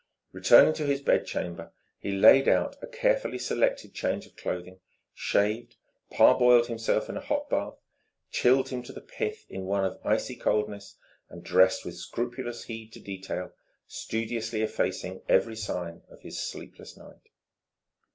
Returning to his bedchamber, he laid out a carefully selected change of clothing, shaved, parboiled himself in a hot bath, chilled him to the pith in one of icy coldness, and dressed with scrupulous heed to detail, studiously effacing every sign of his sleepless night.